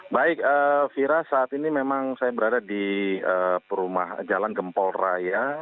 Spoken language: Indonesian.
baik vira saat ini memang saya berada di jalan gempol raya